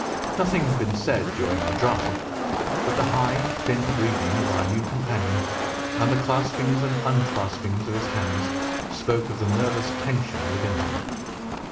Nothing had been said during our drive, but the high, thin breathing of our new companion, and the claspings and unclaspings of his hands, spoke of the nervous tension within him.